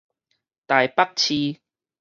臺北市